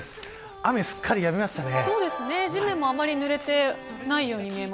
雨、すっかりやみましたね。